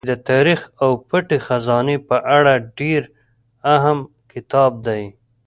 چې د تاريڅ او پټې خزانې په اړه ډېر اهم کتاب دی